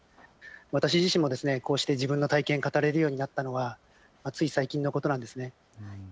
私自身もこうして自分の体験を語れるようになったのはつい最近のことなんです。